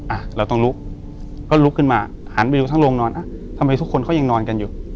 อ่ะเราต้องลุกก็ลุกขึ้นมาหันไปดูทั้งโรงนอนอ่ะทำไมทุกคนเขายังนอนกันอยู่